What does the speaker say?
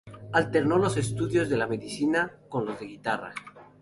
Alternó los estudios de medicina con los de guitarra.